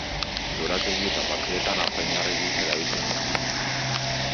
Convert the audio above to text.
Lorategi eta parkeetan apaingarri gisa erabiltzen da.